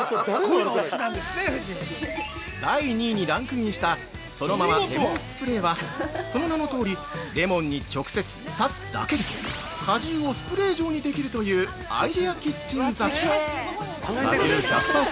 ◆第２位にランクインしたそのままレモンスプレーはその名のとおりレモンに直接刺すだけで果汁をスプレー状にできるというアイデアキッチン雑貨。